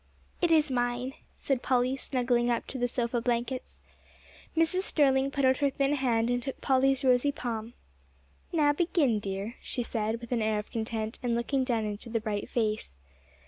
"It is mine," said Polly, snuggling up to the sofa blankets. Mrs. Sterling put out her thin hand, and took Polly's rosy palm. "Now begin, dear," she said, with an air of content, and looking down into the bright face.